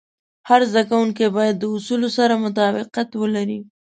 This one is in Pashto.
هر زده کوونکی باید د اصولو سره مطابقت ولري.